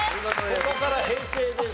ここから平成です。